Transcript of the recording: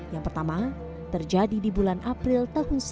yang pertama terjadi di bulan april seribu sembilan ratus sembilan puluh